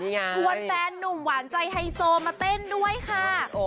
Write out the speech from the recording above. ชวนแฟนนุ่มหวานใจไฮโซมาเต้นด้วยค่ะ